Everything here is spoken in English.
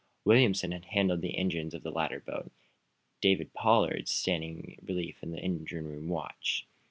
Williamson had handled the engines of the latter boat. David Pollard standing relief engine room watch.